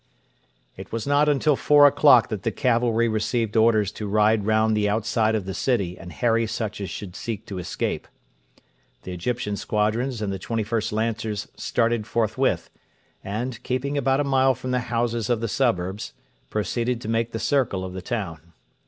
It was not until four o'clock that the cavalry received orders to ride round the outside of the city and harry such as should seek to escape. The Egyptian squadrons and the 21st Lancers started forthwith, and, keeping about a mile from the houses of the suburbs, proceeded to make the circle of the town.